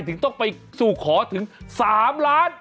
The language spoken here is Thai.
ถึงต้องไปสู่ขอถึง๓ล้าน